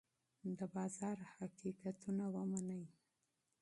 د بازار حقیقتونه ومنئ.